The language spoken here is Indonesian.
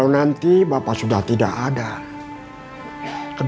nek febri pulang dulu ya nek